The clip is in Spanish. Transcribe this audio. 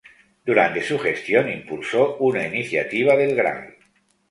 Durante su gestión impulsó una iniciativa del Gral.